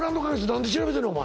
何で調べてんねん？